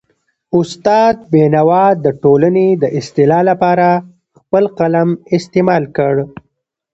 استاد بینوا د ټولنې د اصلاح لپاره خپل قلم استعمال کړ.